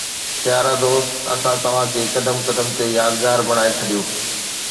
پيارا دوست، اسان توهان کي قدم قدم تي يادگار بڻائي ڇڏيو